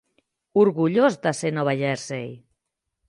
Orgullós de ser Nova Jersey!